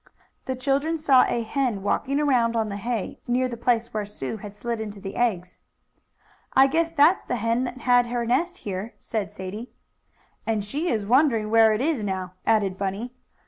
The children saw a hen walking around on the hay, near the place where Sue had slid into the eggs. "I guess that's the hen that had her nest here," said Sadie. "And she is wondering where it is now," added Bunny.